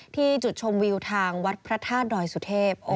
ที่จุดชมวิวทางวัฏพระธาตุแดร์สุเทพโอ้โฮ